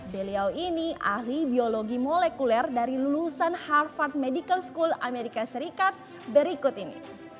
beliau ini ahli biologi molekuler dari lulusan harvard medical school amerika serikat berikut ini